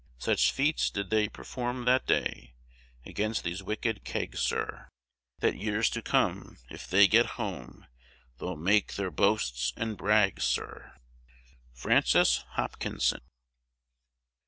Such feats did they perform that day Against these wicked kegs, Sir, That years to come, if they get home, They'll make their boasts and brags, Sir. FRANCIS HOPKINSON.